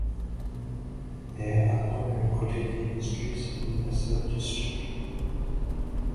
There are only cottage industries in the subdistrict.